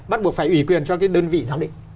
bắt buộc phải ủy quyền cho cái đơn vị giám định